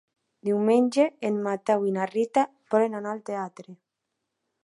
Diumenge en Mateu i na Rita volen anar al teatre.